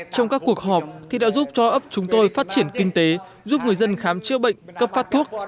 trong các cuộc họp thì đã giúp cho ấp chúng tôi phát triển kinh tế giúp người dân khám chữa bệnh cấp phát thuốc